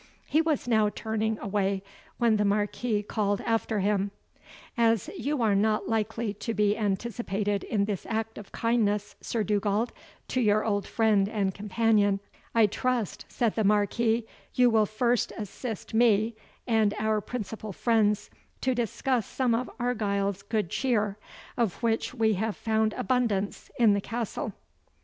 He was now turning away, when the Marquis called after him, "As you are not likely to be anticipated in this act of kindness, Sir Dugald, to your old friend and companion, I trust," said the Marquis, "you will first assist me, and our principal friends, to discuss some of Argyle's good cheer, of which we have found abundance in the Castle."